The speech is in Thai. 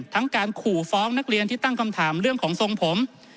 การขู่ฟ้องนักเรียนที่ตั้งคำถามเรื่องของทรงผม